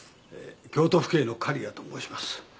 京都府警の狩矢と申します。